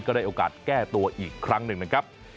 ได้โอกาสแก้ตัวอีกครั้งหนึ่งนะครับ